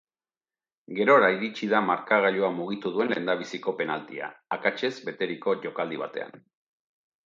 Gerora iritsi da markagailua mugitu duen lehendabiziko penaltia, akatsez beteriko jokaldi batean.